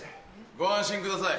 ご安心ください